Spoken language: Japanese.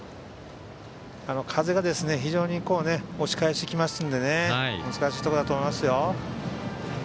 風が非常に押し返してきますので難しいところだと思います。